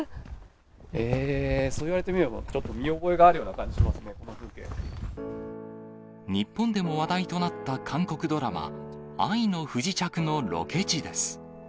えー、そう言われてみれば、ちょっと見覚えがあるような感じしますね、日本でも話題となった韓国ドラマ、愛の不時着のロケ地です。